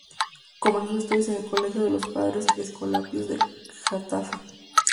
Comenzó sus estudios en el colegio de los Padres Escolapios de Getafe.